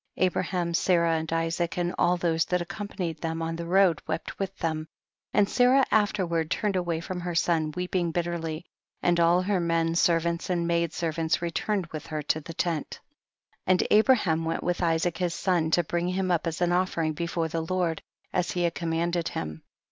65 Abraham, Sarah and Isaac and all those that accompanied them on the road wept with them, and JSarah afterward turned away from her son, weeping bitterly, and all her men servants and maid servants returned with her to the tent, 20. And Abraham went with Isaac his son to bring him up as an oflfering before the Lord, as he had commanded him.